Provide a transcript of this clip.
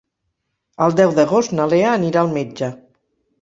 El deu d'agost na Lea anirà al metge.